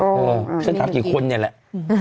ฮะฉันถามกี่คนนี่แหละ